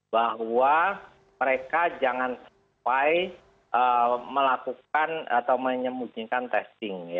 bahwa mereka jangan sampai melakukan atau menyembunyikan testing